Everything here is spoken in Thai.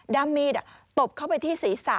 ้ำมีดตบเข้าไปที่ศีรษะ